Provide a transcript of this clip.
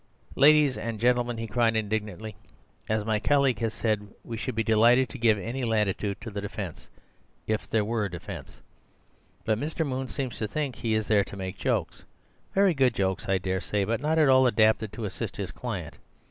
"Ladies and gentlemen," he cried indignantly, "as my colleague has said, we should be delighted to give any latitude to the defence—if there were a defence. But Mr. Moon seems to think he is there to make jokes— very good jokes I dare say, but not at all adapted to assist his client.